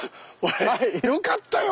よかったよ